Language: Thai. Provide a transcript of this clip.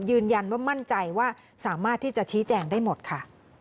ยืนยันว่ามั่นใจว่าสามารถที่จะชี้แจงได้หมดค่ะ